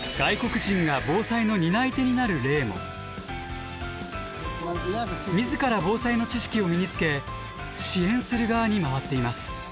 自ら防災の知識を身につけ支援する側に回っています。